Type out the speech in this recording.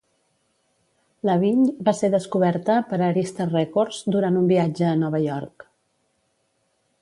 Lavigne va ser descoberta per Arista Records durant un viatge a Nova York.